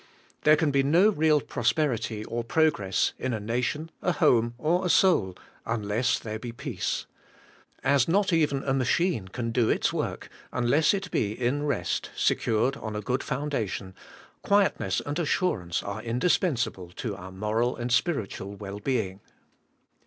There can be no real prosperity or progress in a nation, a home, or a soul, unless there be peace. As not even a machine can do its work unless it be in rest, secured on a good foundation, quietness and assurance are indispensable to our moral and spiritual well being.